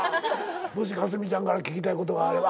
もし佳純ちゃんから聞きたいことがあれば。